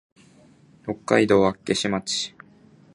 北海道厚岸町